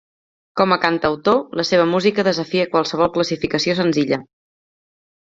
Com a cantautor, la seva música desafia qualsevol classificació senzilla.